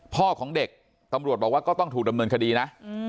พ่อของเด็กตำรวจบอกว่าก็ต้องถูกดำเนินคดีนะ